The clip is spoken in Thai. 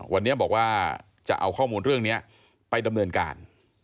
วันนี้บอกว่าจะเอาข้อมูลเรื่องนี้ไปดำเนินการ